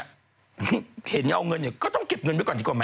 เห็นอย่างนี้เอาเงินอยู่ก็ต้องเก็บเงินไปก่อนดีกว่าไหม